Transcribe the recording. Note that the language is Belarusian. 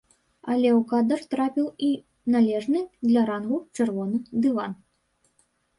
Але ў кадр трапіў і належны для рангу чырвоны дыван.